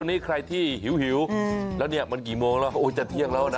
วันนี้ใครที่หิวแล้วเนี่ยมันกี่โมงแล้วโอ้จะเที่ยงแล้วนะ